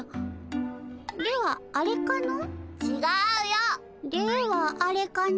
ではあれかの？